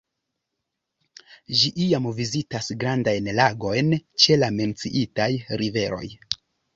Ĝi iam vizitas grandajn lagojn ĉe la menciitaj riveroj.